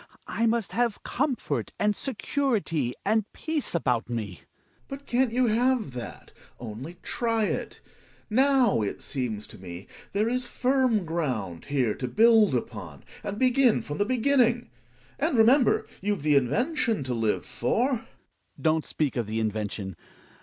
I must have comfort, and security, and peace about me. Gregers. But can't you have that? Only try ii Now, it seems to me, there is firm ground here to GlijuU' THE WILD DUCK. 188 build upoD — and begin from the beginning. And remember you've the invention to live for. Hjalmar. Don't speak of the invention.